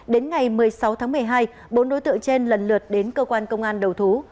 đến ngày một mươi sáu tháng một mươi hai bốn đối tượng trên lần lượt đến cơ quan công an đầu thú